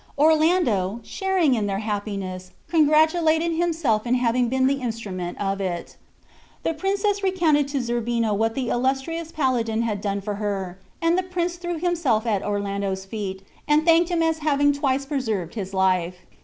Orlando, sharing in their happiness, congratulated himself in having been the instrument of it. The princess recounted to Zerbino what the illustrious paladin had done for her, and the prince threw himself at Orlando's feet, and thanked him as having twice preserved his life.